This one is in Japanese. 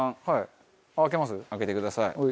はい。